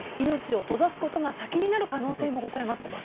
命を閉ざすことが先になる可能性もございます。